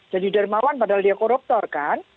jadi dermawan padahal dia koruptor kan